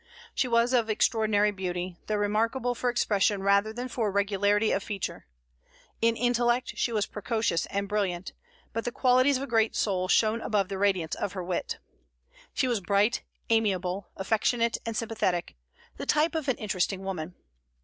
She was of extraordinary beauty, though remarkable for expression rather than for regularity of feature. In intellect she was precocious and brilliant; but the qualities of a great soul shone above the radiance of her wit. She was bright, amiable, affectionate, and sympathetic, the type of an interesting woman.